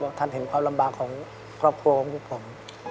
ท่านเห็นความลำบากของครอบครัวของพวกผม